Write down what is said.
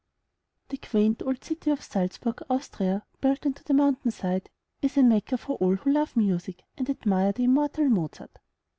The quaint old city of Salzburg, Austria, built into the mountain side, is a Mecca for all who love music, and admire the immortal Mozart.